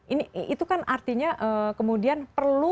ini itu kan artinya kemudian perlu